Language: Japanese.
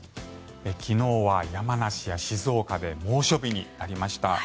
昨日は山梨や静岡で猛暑日になりました。